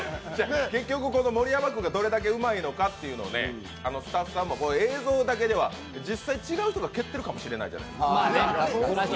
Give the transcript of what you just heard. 結局、盛山君がどれだけうまいのかというのをスタッフさんも、映像だけでは、実際に違う人が蹴ってるかもしれないじゃないですか。